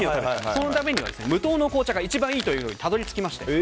そのためには無糖の紅茶が一番いいとたどり着きまして。